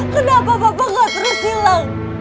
kenapa papa nggak terus hilang